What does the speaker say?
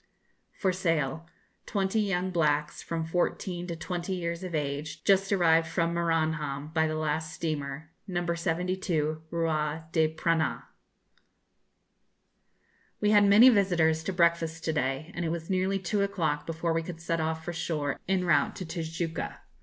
FOR SALE. 20 young blacks from 14 to 20 years of age just arrived from Maranham by the last steamer; No. 72 rua da Prainha. We had many visitors to breakfast to day, and it was nearly two o'clock before we could set off for the shore en route to Tijuca.